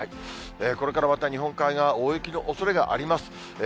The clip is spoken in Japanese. これからまた日本海側、大雪のおそれがあります。